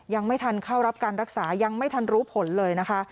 ยังไม่ทันเข้ารับการรักษายังไม่ทันรู้ผลเลยนะคะ